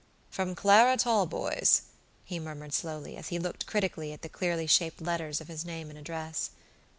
"From Clara Talboys," he murmured slowly, as he looked critically at the clearly shaped letters of his name and address.